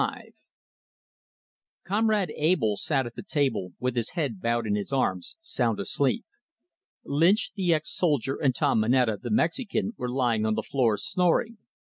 LV Comrade Abell sat at the table, with his head bowed in his arms, sound asleep. Lynch, the ex soldier, and Tom Moneta, the Mexican, were lying on the floor snoring.